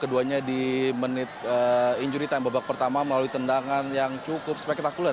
keduanya di menit injury time babak pertama melalui tendangan yang cukup spektakuler